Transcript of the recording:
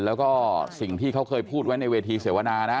แล้วก็สิ่งที่เขาเคยพูดไว้ในเวทีเสวนานะ